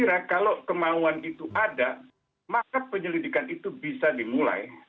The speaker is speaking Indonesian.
jadi saya kira kalau kemauan itu ada maka penyelidikan itu bisa dimulai